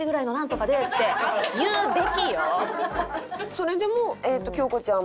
それでも京子ちゃん